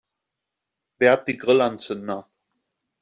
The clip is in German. Wer hat die Grillanzünder?